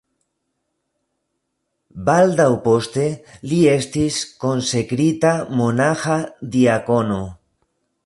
Baldaŭ poste, li estis konsekrita monaĥa diakono.